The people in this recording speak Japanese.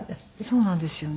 そうなんですよね。